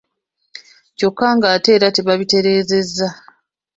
Kyokka ng’ate era tebabitereezezza.